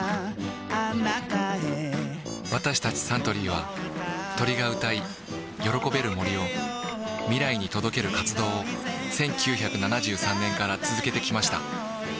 私たちサントリーは鳥が歌い喜べる森を未来に届ける活動を１９７３年から続けてきました